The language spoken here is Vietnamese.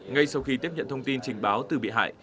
ngay sau khi tiếp nhận thông tin trình báo từ bị hại